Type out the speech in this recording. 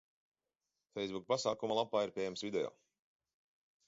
Feisbuka pasākuma lapā ir pieejams video.